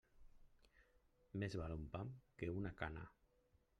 Més val un pam que una cana.